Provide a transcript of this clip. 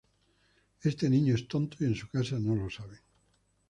Este niño es tonto y en su casa no lo saben